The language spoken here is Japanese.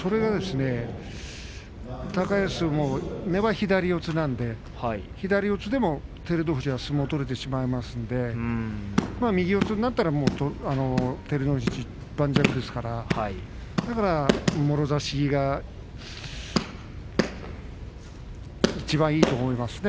高安も根は左四つなので左四つでも照ノ富士は相撲を取れてしまいますので右四つになったら照ノ富士盤石ですからだから、もろ差しがいちばんいいと思いますね。